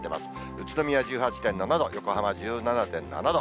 宇都宮１８．７度、横浜１７．７度。